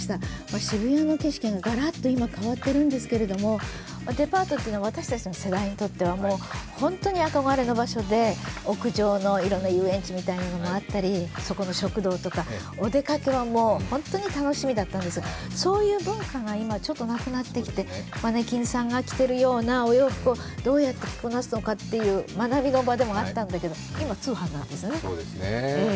渋谷の景色が今、ガラッと変わっているんですけど、デパートというのは私たちの世代にとっては本当に憧れの場所で屋上のいろんな遊園地みたいなのもあったり、そこの食堂とか、お出かけは本当に楽しみだったんですが、そういう文化が今、ちょっとなくなってきて、マネキンさんが着ているようなお洋服をどうやって着こなすのかという学びの場でもあったんだけど今は通販なんですね。